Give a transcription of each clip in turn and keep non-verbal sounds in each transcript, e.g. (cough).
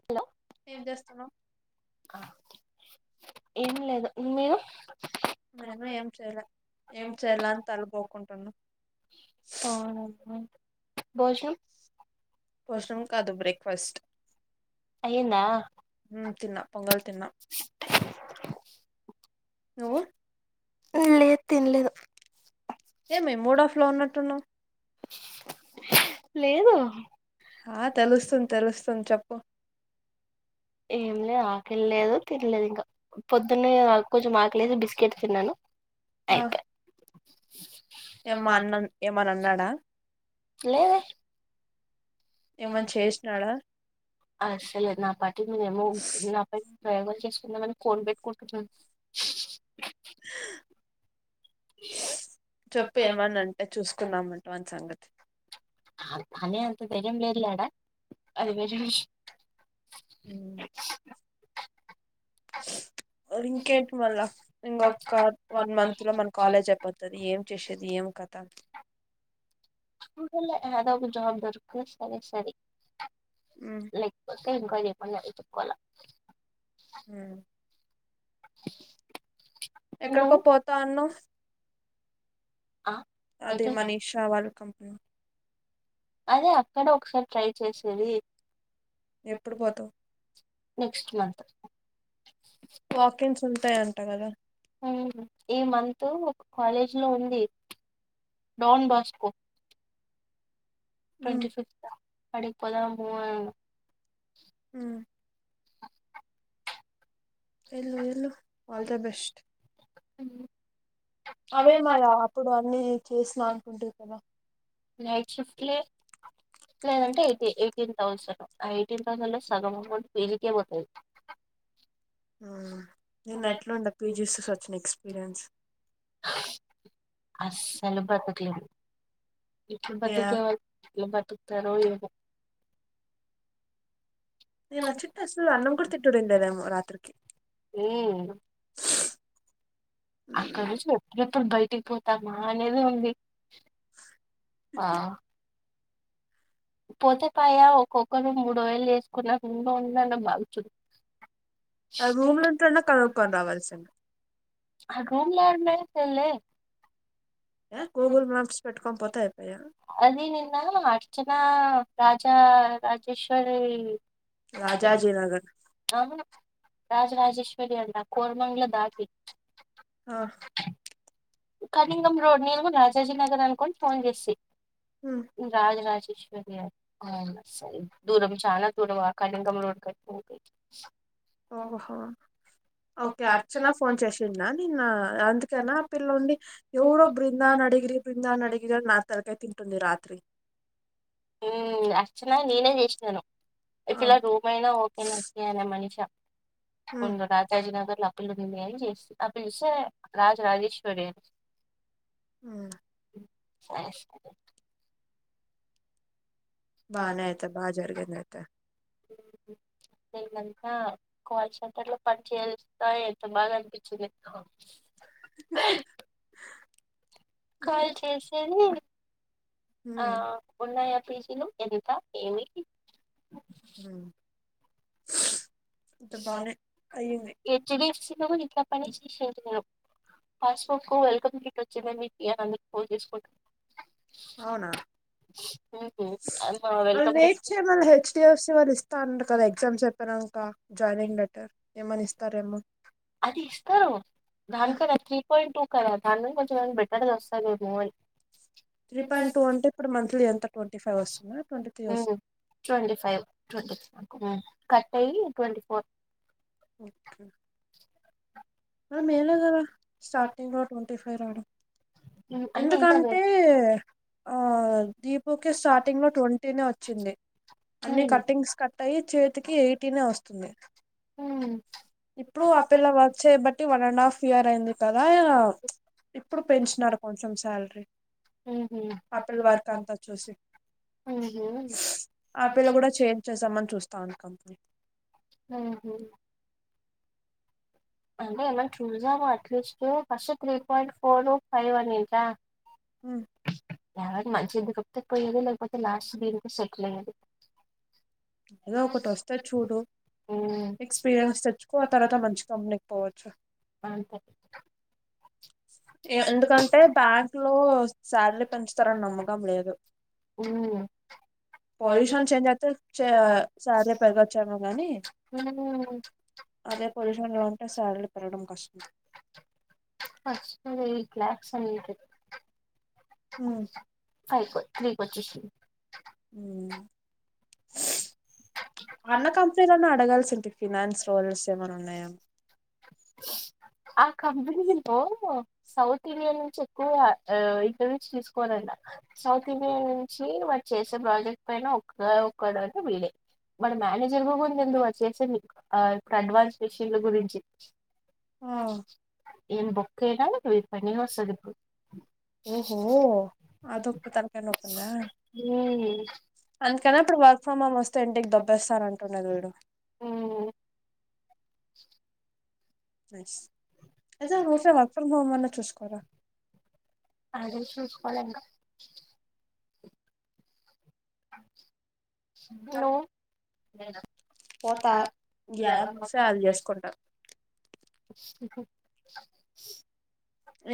Hello ఏం చేస్తున్నావ్ ఏం లేదు మీరు నేను అవునా ఏం చెయలే ఏం చేయాలని తలగోకుంటున్నా అవునా పోషణం కాదు బ్రేక్ఫాస్ట్ అయ్యిందా తిన్నా పొంగల్ తిన్నా నువ్వు లేదు తినలేదు ఏమే మూడ్ ఆఫ్ లో ఉన్నట్టునవ్ (unintelligible) ఆ తెలుస్తుంది తెలుస్తుంది చేప్పు ఏం లే ఆకలి ల్లేదు తినలేదు ఇంకా పొద్దున్న కొంచెం ఆకలి అయితే బిస్కెట్ తిన్నాను హా అయిపోయి అన్న ఏమని అన్నాడా లేదే నువ్వైనా ఏమని చేయొచ్చు కదా చేసినాడా అసలే నా పటి మేనేమో నా ప ప్రయోగాలు చేసుకుందామని కోన్ పెట్టుకుంటున్నాను (unintelligible) చెప్పు ఏమని అంటే చూసుకుందాం వాని సంగతి హాన్ హనే అంత ధైర్యం లేర్లాడా అది వే రివిష్ (inaudible) ఉమ్. ఇంకేంటి మళ్ళా ఇంకొక దాని ఏం చేశేది ఏం కథా చూసెల్లె హేదో ఒక జాబ్ దొరికితే సరే సరి ఉం లేక్ పోతే ఇంకా ఏమన్న ఎత్తుక్కొల్లా యె (unintelligible) ఎక్కడికో పోతా అన్నవ్ అ అదే మనీషా వాళ్ళు కంపినీ అదే అక్కడ ఒకసార్ ట్రై చేసేది ఎప్పుడు పోతావు నెక్స్ట్ మంత్ వాకింగ్స్ ఉంతా అంట కదా ఊ ఈ మంత్ ఒక కాలేజ్ లో ఉంది డౌన్ బాస్కో ట్వంటీ ఫిఫ్త్ అ అడిక్ పోదామూ అ ఉ ఎళ్ళు ఎళ్ళు ఆల్ ద బెస్ట్ వుంది అవే మాయా అప్పుడు అన్నీ చేసినా అంటుంటువి కదా నైట్ షిఫ్ట్లే లేదంటే ఎయిటీ ఎయిటీన్ థౌజను ఆ ఎయిటీన్ థౌసండ్ లో సగం అమౌంట్ పీజీకే పోతద్ ఆ నిన్ ఆట్లుండ పీజీస్ సుచ్ ఎక్స్పీరియన్స్ అస్సలు బ్రతుకులే ఇప్పుడ్ యా బతికే వాళ్ ఎట్లా బతుకుతారో ఏమో నేన్ ఓచ్చింట్ అసల్ అన్నం కూడ్ తిట్టుడుండేదేమో రాత్రికి ఊయ్ హ్ ఉ మ్మ్మ్ ఆ నుంచ్ ఎప్పుడప్పుడు బయటిక్ పోతామా అనేదే ఉంది ఆ పోతే పాయా ఒక్కొక్కరు మూడు వేయిల్ చేసుకున్న రూమ్ లో ఉందన్న బాగు చు అ రూమ్ లుంటన్న కరు కోర్ రావాల్సిన్ హ రూమ్ల ఉన్న తెల్లే య గూగుల్ మ్యాప్స్ పెట్టుకోన్ పోతే అయిపోయా అది నిన్నా అర్చనా రాజా రాజేశ్వరీ రాజాజీనగర్ ఆ రాజరాజేశ్వరి అంట కోర్మంగ్ల దాటి ఆ అ కనింగం రోడ్ నేను కూడ్ రాజాజీ నగర్ అనుకోన్ ఫోన్ చేసి ఉమ్ రాజ రాజేశ్వరి అద్ అ సయ్ దూరం చానా దూరం అ కనింగం రోడ్ కట్ వుంది ఓ హో ఓకే అర్చన ఫోన్ చేసిందా నిన్నా అందుకేనా అ పిల్లుండి నువ్వు యెవురో బృందాన్ అడిగిరి బృందాన్ అడిగిరి అ నా తలకై తింటుంది రాత్రి ఊమ్ అర్చనా నేనే చేసినాను ఈ ఆ పిల్ల రూమ్యినా ఓకే నచ్చినయన మనిష ఉమ్ ఉందు రాజాజీ నగర్లో అప్పీలు ఉన్నినాయీ అన్ చేసి ఆపిసే రాజ రాజేశ్వరి ఆ స్మశే బానె బాగానే. ఐయితే బా జరిగింది ఐయితే నిన్నంతా కాల్ సెంటర్ లో పని చేస్తా ఎంత బాగా అనిపించింది ఎకొ కాల్ చేసేది ఆ ఉమ్ ఉన్నాయా పీజీలు ఎంత ఏమి ఊ బానే అయ్యింది హెచ్డీఫ్సి లు ఇక పైన తీసేసిరు పాసబుకు వెల్కమ్ కిట్ వచ్చిందని ఎంది అందరి ఫోన్ చేసుకుంటా అవునా ఉహు అమ్మా వాళ్ళ వెల్కమ్ వెయిట్ గిఫ్ట్ చేయమన్నా హెచ్డఎఫ్సి వాళ్ళు ఇస్తా అనారు కదా ఎగ్జామ్స్ ప్రనాంక జాయినింగ్ లెటర్ ఏమనిస్తారేమో అది ఇస్తారు దాంట్లో అది కీ పాయింటూ కదా దాని కన్నా కొంచెం బెట్టర్ వస్తది ఏమో అని త్రీ పాయింట్ టూ అంటే ఇప్పుడు మంత్లీ ఎంత ట్వంటీ ఫైవ్ వస్తుందా ట్వంటీ త్రీ ఊ వస్తుందా ట్వంటి ఫైవ్ ఉ కట్ అయ్యి ట్వంటీ ఫోర్ ఓకే మరి మే లో గదా స్టార్టింగ్ లో ట్వంటీ ఫైవ్ రావడం ఉమ్ అంటే ఇంకా ఎందుకంటే బె- ఆ దీపుకి స్టార్టింగ్ లో ట్వంటీనే వచ్చింది ఉమ్ అన్ని కటింగ్స్ కట్ టై చేతికి ఎయిటీనే వస్తుంది ఇప్పుడు ఆ పిల్ల చెయ్ బట్ ట్టి వన్ అండ్ హాఫ్ ఇయర్ అయింది కదా ఇప్పుడు పెంచినారు కొంచెం శాలరీ ఉమ్, ఉహు ఆ పిల్ల వర్క్ అంతా చూసి ఉహు ఆ పిల్ల కూడా చేజ్ చేసామని చూస్తాంది కంపనీ ఆహ అంటే ఏమన్నా చూసాము at least first three point four five అనింట ఎవ మంచిది కప్తే పోయది లేకపోతే లాస్ట్ దీనికి సెటిల్ అయ్యేది ఏదో ఒకటి వస్తే చూడు ఉమ్ ఎక్స్పీరియన్స్ తెచ్చుకో ఆ తర్వాత మంచి కంపెనీకి పోవచ్చు అంతే ఎందుకంటే బ్యాంక్ లో శాలరీ పెంచుతారని నమ్మకం లేదు ఊ పొల్యూషన్ చేంజ్ అయితే చ సాలరీ పెరగొచ్చేమో గానీ ఉమ్, అదే పొసిషన్ లో ఉంటే శాలరీలు పెరగడం కష్టం ఫస్ట్ ఎయిట్ లక్స్ ఐతాయ్ ఊ ఫైవ్ కొ త్రీ కొచ్చేసింది ఊ అన్న కంపెనీలోను అడగాల్సింటి ఫినాన్స్ రోల్స్ ఏమన ఉన్నాయా ఆ కంపెనీ లో సౌత్ ఇండియాన్ నుంచి ఎక్కువ ఆ ఇంటర్వ్యూస్ తీసుకోవాలన్నా సౌత్ ఇండియన్ చి వాడు చేసే ప్రాజెక్ట్ పైన ఒక ఒక్కడంటే వీడే మన మేనేజర్ కూడా ఎందు వచ్చేసింది ఆ కండువా స్పెషల్లా గురించి ఆ ఎం బొక్కెనా పని ఓహో అదొక్కటి తలకాయ నొప్పుందా (unintelligible) హు అందుకని ఇప్పుడు వర్క్ ఫ్రమ్ హోమ్ వస్తే ఇంటికి దోబ్బేస్తారంటుంది వీడు హ్మ్ ఎస్ అదతే రోట్లో వర్క్ ఫ్రమ్ హోమ్ వాళ్ల చూసుకోరా అదే చూసుకోవాలి ఇంకా హలో పోత పోతా యాడన్నా యాదోస్తే ఓస్తే అది ఆడ జెస్ చేసుకుంటా ఉహ్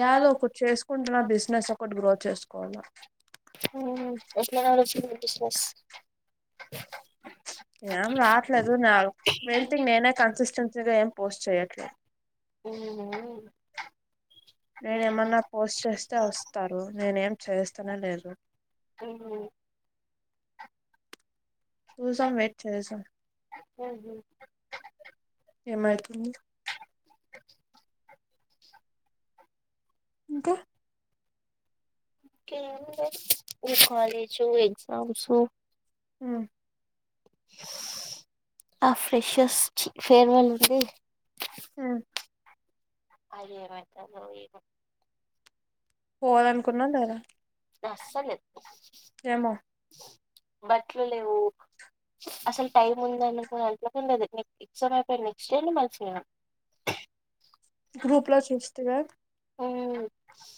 యాదో ఒకటి చేసుకుంటున్న బిజినెస్ ఒకటి గ్రో చేసుకోవాల హ్మ్ ఎట్ల నడుస్తుంది బిజినెస్ ఏం రాట్లేదు నా మెయిన్ థింగ్ నేనే కన్సిస్టెన్సీగా ఏం పోస్ట్ చేయట్లేదు ఉహు హ్మ్ నేను ఏమన్నా పోస్ట్ చేస్తే వస్తారు నేనే ఏం చేస్తానే లేదు హ్మ్ చూసమ్ వేట్ చేస్దాం హుహు ఏమైతుంది ఇంకా ఇంకా ఏమిలేద్ ఈ కాలేజు ఎగ్జామ్స్ ఉమ్ ఆ ఫ్రెషస్ చి ఫేర్వల్ ఉంది హ్ ఆది ఏమైతదో ఏమో పోదనుకున్నాం గదా అసల్ లేదు ఏమో బట్లు లేవు అసలు టైం ఉంది అనుకుని అట్కు లేదు నీకు సో మేం నెక్స్ట్ ఇయర్నీ మలిచిన గ్రూప్ లో చూస్తివా ఉ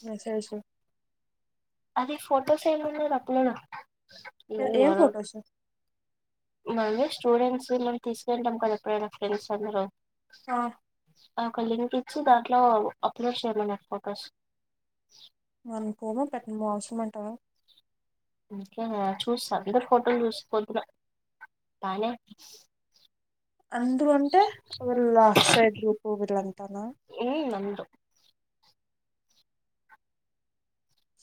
మెసేజ్సు అది ఫోటోస్ ఏం ఉన్నాయి అప్పులేదు ఏ ఏం ఫొటోస్సు మళ్ళీ స్టూడెంట్స్ మనం తీసుకెళ్ళాం కదా ఎప్పుడైనా ఫ్రెండ్స్ అందరు ఆ ఆ ఒక లింక్ ఇచ్చి దాంట్లో అప్లోడ్ చేయమన్నారు ఫొటోస్ మళ్ళీ పోమా పెట్టటం అవసరం అంటావా ఇంకే చూస్తా అందరు ఫోటోలు చూసా పొద్దున బానే అందరూ అంటే వీళ్ళ అక్షయ్ గ్రూపు వీళ్ళంతానా హు అందరు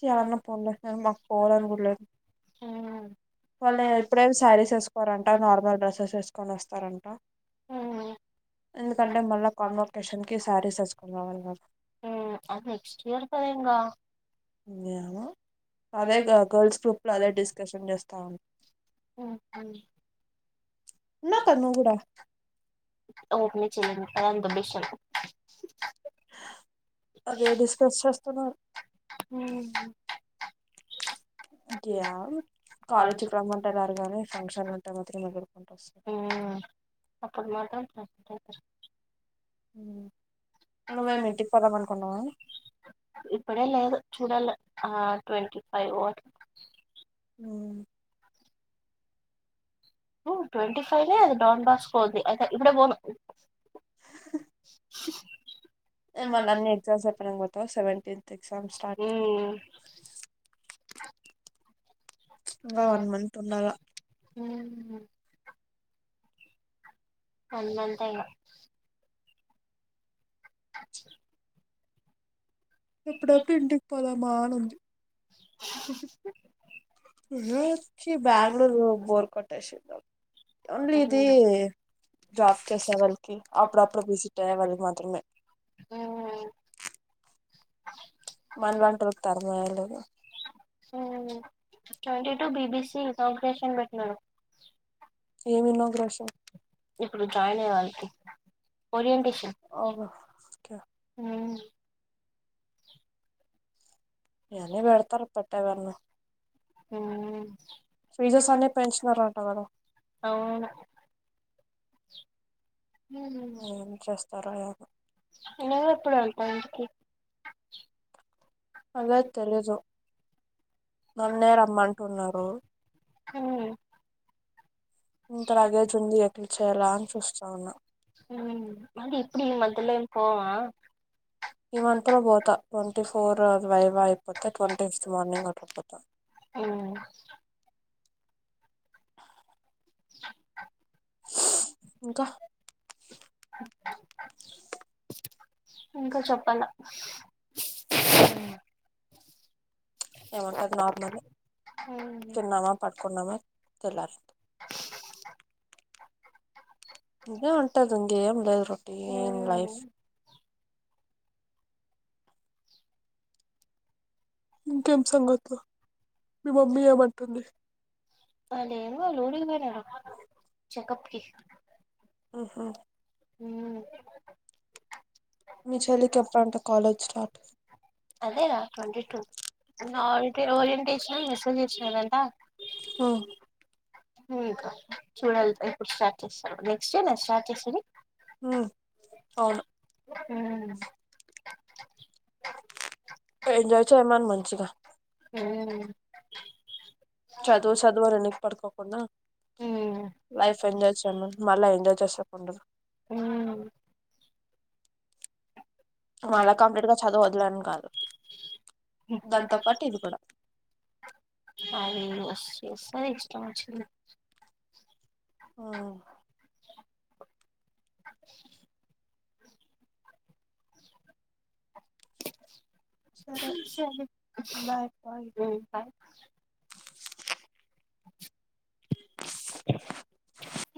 చాలన్నా పోన్లే అయిన మాకు పోవాలని కూడాలేదు ఆ వాళ్ళు ఎప్పుడేమి సారీస్ వేసుకోరంటా నార్మల్ డ్రెసెస్ వేసుకొని వస్తారంట ఉమ్ ఎందుకంటే మళ్ళా కాన్వోకేషన్ కి శారీ ఏసుకొని రావాలి అనమాట ఉ అది నెక్స్ట్ ఇయర్ కదా ఇంగా ఏమో అదేగా గర్ల్స్ గ్రూప్ లో అదే డిస్కషన్ చేస్తా ఉం హ్మ్ హూ ఉన్నావు కదా నువ్వు గూడా ఓపెన్ చేయను అది అంత బెస్ట్ అదే డిస్కస్ చేస్తున్నారు హ్మ్ (unintelligible) కాలేజీకి రమ్మంటే రారు గానీ ఫంక్షన్లు ఉంటే మాత్రం ఎగురుకుంట వస్తాం అప్పుడు మాత్రం ప్ర (inaudible) హ్మ్ అవా నీకు ఇప్పుడే లేదు చూడాలి ఆ ట్వంటీ ఫైవ్ (unintelligible) హ్మ్ ట్వంటీ ఫైవే అ డాన్ బాస్కోది అహ ఇప్పుడే పోను మళ్ళీ అన్ని ఎగ్జామ్స్ చెప్పనికి పోతావు సెవెంటీన్త్ ఎగ్జామ్ స్టార్ట్ హ్మ్ ఇంకా ఆ వన్ మంత్ ఉండాలా హ్మ్ అల్లంతగా ఎప్పుడైతే ఇంటికి పోదామా అని ఉంది రూచ్చి బ్యాంగుళూరు బోర్ కొట్టేషింది ఓన్లీ ఇది జాబ్ చేసే వాళ్ళకి అప్పుడప్పుడు విజిట్ అయ్యే వాళ్ళకి మాత్రమే హ్మ్ మనలాంటోలకి తరుమేయరు కదా సో ట్వంటీ టూ బిబిసి ప్రైగ్రేషన్ పెట్టినాడు ఏది ఇన్నోగ్రేషన్ ఇప్పుడు జాయిన్ అయ్యే వాళ్ళకి ఓకే హ్మ్ ఇవన్నీ పెడతారు హ్మ్ పెట్టేవన్నీ ఫీజెస్ అన్ని పెంచినారంట కదా అవును ఏం చేస్తరో ఏమో నేనెప్పుడు వెళ్తా ఇంటికి అదే తెలీదు నన్నే రమ్మంటున్నారు హ్మ్ ఇంత లగేజు ఉంది ఎట్లా చేయ్యాల అని చూస్తా ఉన్నా హ్మ్ ఇంకెప్పుడు ఈ మధ్య లోన పోవ ఈ మంత్ లో పోతా ట్వంటీ ఫోర్ వైవా అయిపోతే ట్వంటీ ఫిఫ్త్ మార్నింగ్ అట్లా పోతా హ్మ్ ఇంకా ఇంకా చెప్పాల హ్మ్ ఏముంటది నార్మలె తిన్నామా పడుకున్నామా తెల్లారిందా ఇదే ఉంటది ఇంకేమి లేదు రొటీన్ లైఫ్ ఇంకేం సంగతు మీ మమ్మీ ఏమంటుంది ఆడు ఏంది ఆళ్ళ ఊరికి పోయినాడు చెకప్ కి హుహు. అ. మీ చెల్లికి ఎప్పుడంట కాలేజ్ స్టార్ట్. అదే రా ట్వంటీ టూ ఓరియంటిసినా మెసేజ్ చేసినరంట. ఆ. ఊ ఇంకా. చూడాలి ఇప్పుడు స్టార్ట్ చేస్తారు నెక్స్ట్ డే నా స్టార్ట్ చేసేది. ఊ. అవును ఎంజాయ్ చేయమను మంచిగా. ఊ. చదువు చదువుని ఎనకి పడుకోకుండా లైఫ్ ఎంజాయ్. మళ్ళా ఎంజాయ్ చేస్తాకుండదు. ఊ. అలా కంప్లీట్ గా చదు వదులేని కాదు దాంతో పాటు ఇది కూడా. ఆయన ఇన్వెస్ట్ చేశారు ఎక్స్ట్రా వచ్చింది. ఆ. సరే బాయ్ బాయ్ బా (unintelligible) (inaudible)